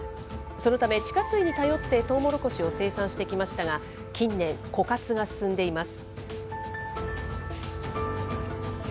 そのため、地下水に頼って、トウモロコシを生産してきましたが、近年、枯渇が進んでいます。